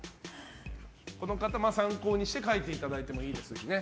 この方、参考にして書いていただいてもいいですね。